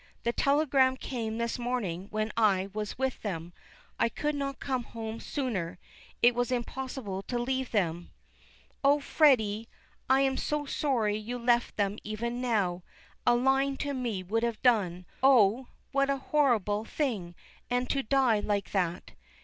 the telegram came this morning when I was with them. I could not come home sooner; it was impossible to leave them." "Oh, Freddy, I am sorry you left them even now; a line to me would have done. Oh, what a horrible thing, and to die like that."